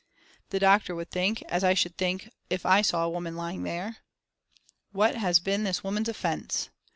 "The doctor would think, as I should think if I saw a woman lying there, 'What has been this woman's offence?'